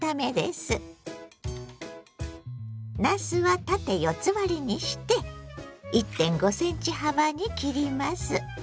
なすは縦四つ割りにして１．５ｃｍ幅に切ります。